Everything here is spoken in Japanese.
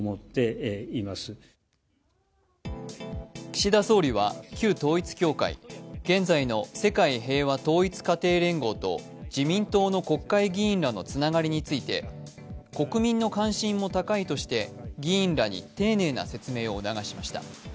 岸田総理は旧統一教会、現在の世界平和統一家庭連合と自民党の国会議員らのつながりについて国民の関心も高いとして議員らに丁寧な説明を促しました。